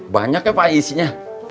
banyak ya pak isinya